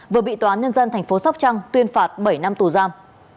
vừa bị tòa án nhân dân tp sóc trăng tuyên phạt bảy năm tù giam